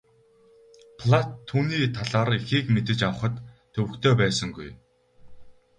Платт түүний талаар ихийг мэдэж авахад төвөгтэй байсангүй.